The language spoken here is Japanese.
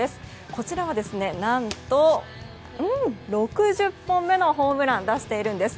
こちらは何と、６０本目のホームランを出しているんです。